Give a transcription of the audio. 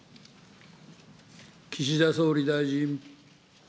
岸田総理大臣。